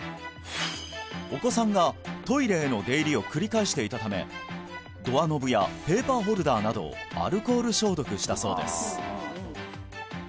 お子さんがトイレへの出入りを繰り返していたためドアノブやペーパーホルダーなどをアルコール消毒したそうです